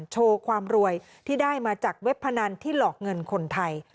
โชว์ความรวยที่ได้มาจากเว็บพนันที่หลอกเงินคนไทย